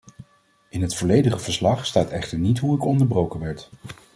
In het volledige verslag staat echter niet hoe ik onderbroken werd.